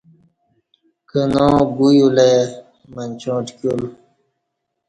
کنا گو یولہ ای منچاں ٹکیول